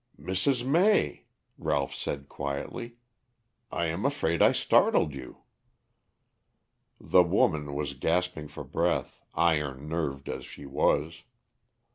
"Mrs. May," Ralph said quietly, "I am afraid I startled you." The woman was gasping for breath, iron nerved as she was.